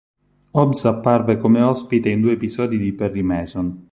Hobbs apparve come ospite in due episodi di "Perry Mason".